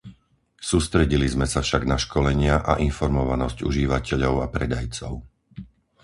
Sústredili sme sa však na školenia a informovanosť užívateľov a predajcov.